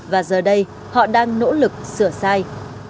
và giờ đây họ đang nỗ lực sửa sai